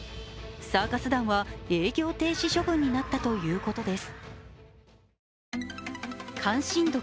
サーカス団は営業停止処分になったということです。